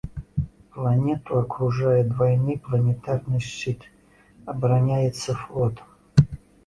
Планету акружае двайны планетарны шчыт, абараняецца флотам.